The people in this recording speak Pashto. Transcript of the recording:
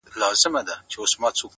• د سندرو سره غبرګي وايي ساندي,